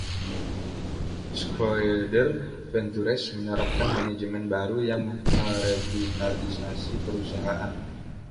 Schroeder Ventures menerapkan manajemen baru yang merevitalisasi perusahaan.